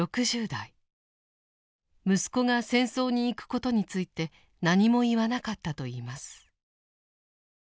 息子が戦争に行くことについて何も言わなかったといいます。